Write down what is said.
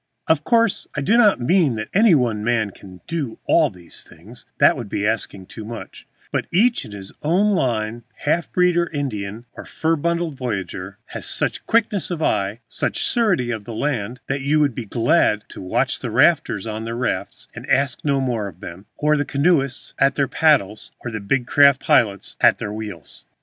Of course I do not mean that any one man can do all these things, that would be asking too much, but each in his own line, half breed or Indian or fur bundled voyageur, has such quickness of eye, such surety of hand, that you will be glad to watch the rafters on their rafts, and ask no more of them, or the canoeists at their paddles, or the big craft pilots at their wheels.